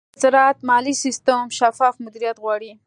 د زراعت مالي سیستم شفاف مدیریت غواړي.